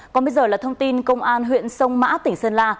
còn bây giờ là thông tin công an huyện sông mã tỉnh sơn la